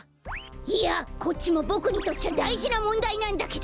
いやこっちもボクにとっちゃだいじなもんだいなんだけど！